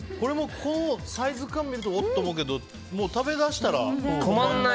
サイズ感を見るとお？って思うけど食べだしたら止まらない。